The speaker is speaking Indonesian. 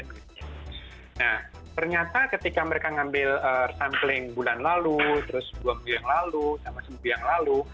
nah ternyata ketika mereka ngambil sampling bulan lalu terus dua minggu yang lalu sama seminggu yang lalu